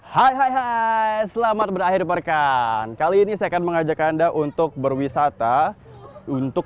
hai hai hai selamat berakhir perkan kali ini saya akan mengajak anda untuk berwisata untuk